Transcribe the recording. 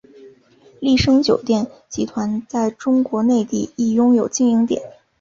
丽笙酒店集团在中国内地亦拥有经营点。